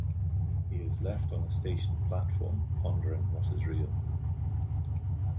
He is left on a station platform, pondering what is real.